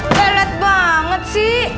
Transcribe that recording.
gelet banget sih